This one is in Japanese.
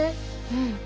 うん。